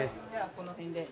この辺で。